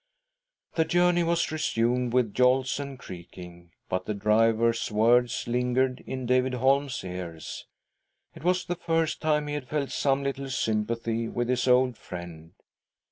The journey was resumed with jolts and creaking, but the driver's words long lingered in David Holm's ears. It was the first time he had felt some little sympathy with his old friend.